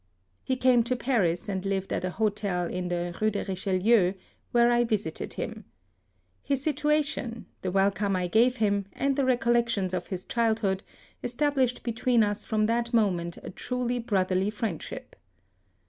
He came to Paris, and lived at a hotel in the Eue de Eichelieu, where I visited him. His situation, the welcome I gave him, and the recollections of his childhood, established between us from that moment a truly brotherly friendship.